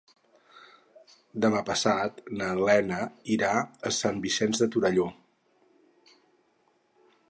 Demà passat na Lena irà a Sant Vicenç de Torelló.